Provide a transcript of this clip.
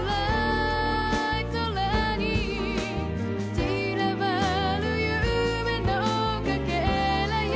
散らばる夢のかけらよ